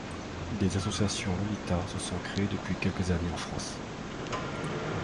Des associations lolitas se sont créées depuis quelques années en France.